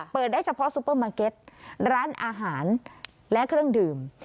ได้เฉพาะซูเปอร์มาร์เก็ตร้านอาหารและเครื่องดื่ม